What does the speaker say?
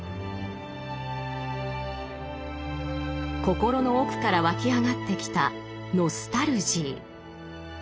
心の奥から湧き上がってきたノスタルジー。